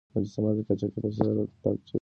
مجسمه د تاقچې په سر ډېره ښکلې ښکارېده.